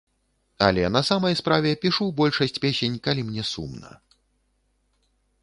Але на самай справе, пішу большасць песень, калі мне сумна.